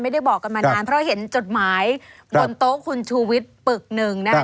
ไม่ได้บอกกันมานานเพราะเห็นจดหมายบนโต๊ะคุณชูวิทย์ปึกหนึ่งนะคะ